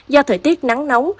do thời tiết nắng nóng